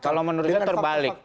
kalau menurut saya terbalik